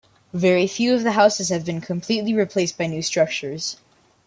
Very few of the houses have been completely replaced by new structures.